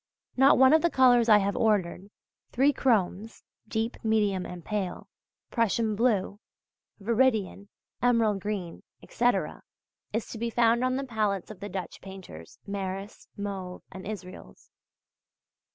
Not one of the colours I have ordered: three chromes (deep, medium and pale), Prussian blue, veridian, emerald green etc.{V} is to be found on the palettes of the Dutch painters Maris, Mauve and Israels.